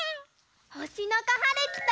ほしのこはるきと。